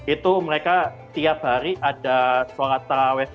itu mereka tiap hari olarak